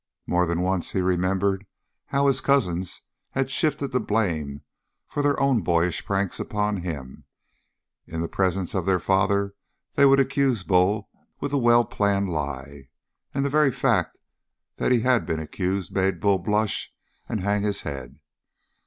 More than once he remembered how his cousins had shifted the blame for their own boyish pranks upon him. In the presence of their father they would accuse Bull with a well planned lie, and the very fact that he had been accused made Bull blush and hang his head.